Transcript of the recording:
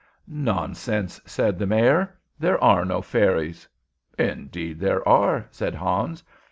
"Nonsense," said the Mayor. "There are no fairies." "Indeed, there are," said Hans.